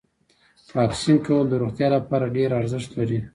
واکسین کول د روغتیا لپاره ډیر ارزښت لري.